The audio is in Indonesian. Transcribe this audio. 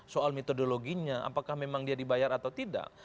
soal metodologinya apakah memang dia dibayar atau tidak